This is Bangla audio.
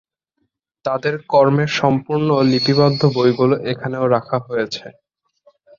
তাদের কর্মের সম্পূর্ণ লিপিবদ্ধ বইগুলি এখানেও রাখা হয়েছে।